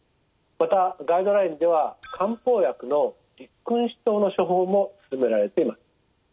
またガイドラインでは漢方薬の六君子湯の処方も勧められています。